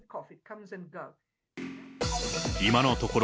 今のところ、